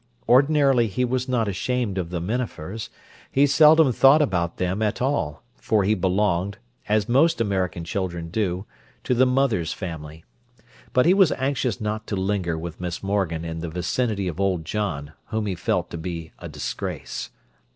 Ordinarily he was not ashamed of the Minafers; he seldom thought about them at all, for he belonged, as most American children do, to the mother's family—but he was anxious not to linger with Miss Morgan in the vicinity of old John, whom he felt to be a disgrace.